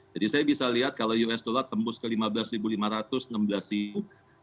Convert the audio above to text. jadi saya bisa lihat kalau usd tembus ke rp lima belas lima ratus rp enam belas